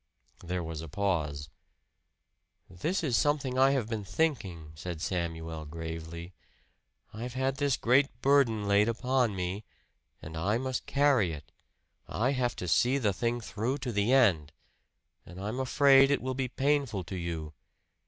There was a pause. "This is something I have been thinking," said Samuel gravely. "I've had this great burden laid upon me, and I must carry it. I have to see the thing through to the end. And I'm afraid it will be painful to you.